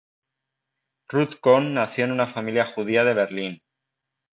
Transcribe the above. Ruth Cohn nació en una familia judía de Berlín.